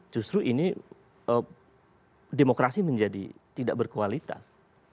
justru ini demokrasi menjadi tidak berkualitas